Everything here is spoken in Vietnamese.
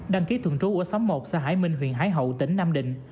đăng ký thường trú ở xóm một xã hải minh huyện hải hậu tỉnh nam định